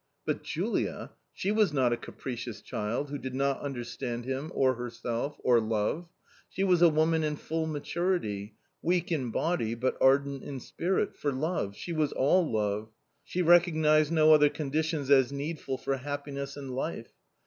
But Julia ! she was not a capricious girl, who did not understand him, or herself, or love. She was a woman in full maturity, weak in body, but ardent in spirit — for love ; she was all love ! She recognised no other conditions as needful for happiness and life.